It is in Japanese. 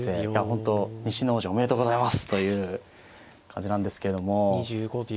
本当西の王子おめでとうございますという感じなんですけれども。